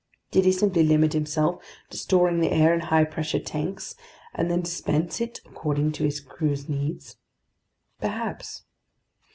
Did he simply limit himself to storing the air in high pressure tanks and then dispense it according to his crew's needs? Perhaps.